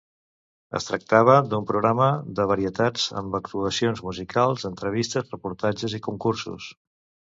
Es tractava d'un programa de varietats amb actuacions musicals, entrevistes, reportatges i concursos.